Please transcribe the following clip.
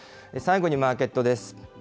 最後にマーケットです。